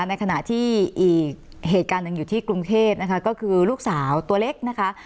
ในขณะที่อีกเหตุการณ์หนึ่งอยู่ที่กรุงเทพนะคะก็คือลูกสาวตัวเล็กนะคะ